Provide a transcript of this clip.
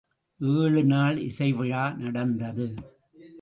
ஏழுநாள் இசை விழா நடந்தது.